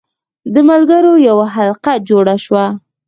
د ملګرو یوه حلقه جوړه شوه.